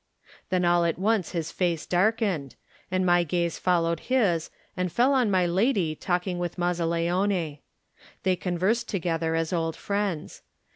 Then all at once his face darkened, and my gaze followed his and fell on my lady talking with Mazzaleone. They conversed together as old friends.